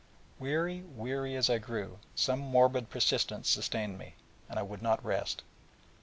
Weary, weary as I grew, some morbid persistence sustained me, and I would not rest.